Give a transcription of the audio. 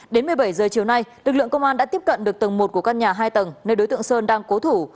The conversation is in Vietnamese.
đến một mươi bảy h chiều nay lực lượng công an đã tiếp cận được tầng một của căn nhà hai tầng nơi đối tượng sơn đang cố thủ